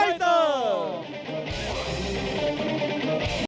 โปรดติดตามตอนต่อไป